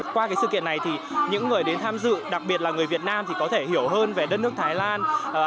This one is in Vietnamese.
qua sự kiện này thì những người đến tham dự đặc biệt là người việt nam có thể hiểu hơn về đất nước thái lan